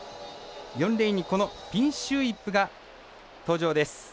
４レーンに、このピンシュー・イップが登場です。